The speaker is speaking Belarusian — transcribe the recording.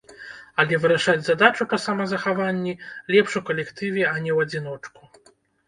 Але вырашаць задачу па самазахаванні лепш у калектыве, а не ў адзіночку.